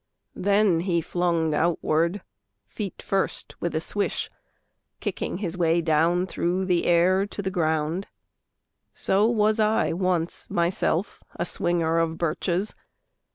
Then he flung outward, feet first, with a swish, Kicking his way down through the air to the ground. So was I once myself a swinger of birches.